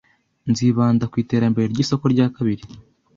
Nzibanda ku iterambere ry isoko rya kabiri .